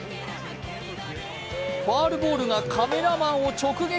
ファウルボールがカメラマンを直撃。